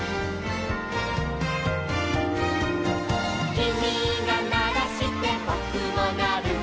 「きみがならしてぼくもなる」